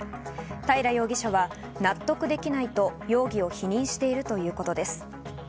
平容疑者は納得できないと容疑を否認しているということです。